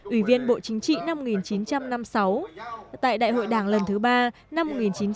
ủy viên bộ chính trị năm một nghìn chín trăm năm mươi sáu tại đại hội đảng lần thứ ba năm một nghìn chín trăm bảy mươi năm